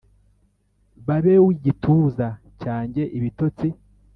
babe w'igituza cyanjye, ibitotsi!